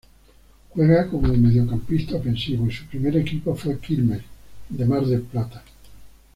Juega como mediocampista ofensivo y su primer equipo fue Quilmes de Mar del Plata.